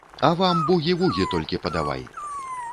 А, вам бугі-вугі толькі падавай!